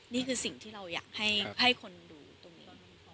นี่คือสิ่งที่เราอยากให้คนดูตรงนี้พอ